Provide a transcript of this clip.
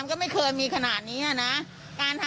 ก็ไม่เคยมีขนาดนี้นะ